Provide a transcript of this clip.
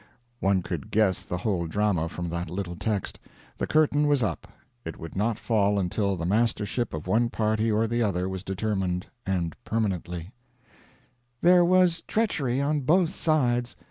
One could guess the whole drama from that little text. The curtain was up. It would not fall until the mastership of one party or the other was determined and permanently: "There was treachery on both sides.